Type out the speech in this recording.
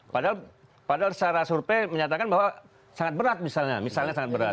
padahal secara survei menyatakan bahwa sangat berat misalnya misalnya sangat berat